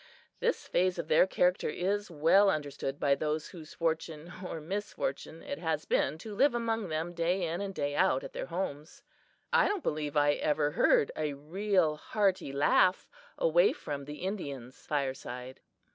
This phase of their character is well understood by those whose fortune or misfortune it has been to live among them day in and day out at their homes. I don't believe I ever heard a real hearty laugh away from the Indians' fireside.